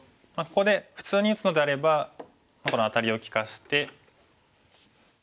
ここで普通に打つのであればこのアタリを利かして。